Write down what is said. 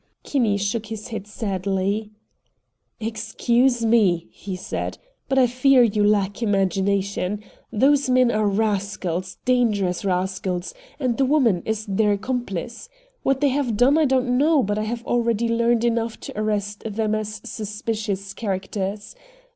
Kinney shook his head sadly. "Excuse me," he said, "but I fear you lack imagination. Those men are rascals, dangerous rascals, and the woman is their accomplice. What they have done I don't know, but I have already learned enough to arrest them as suspicious characters.